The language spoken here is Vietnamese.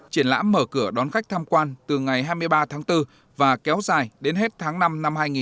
triển lãm mở cửa đón khách tham quan từ ngày hai mươi ba tháng bốn và kéo dài đến hết tháng năm năm hai nghìn hai mươi bốn